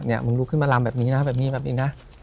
มึงลุกขึ้นมาลำแบบนี้นะแบบนี้แบบนี้นะ